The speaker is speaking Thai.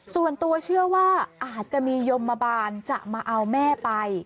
ส่วนตัวเชื่อว่าอาจจะมียมมาบาลจะมาเอาแม่ไป